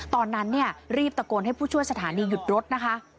ตอนนั้นเนี่ยรีบตะโกนให้ผู้ช่วยสถานีหยุดรถนะคะ